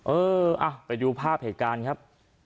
เออไปดูภาพเหตุการณ์ครับ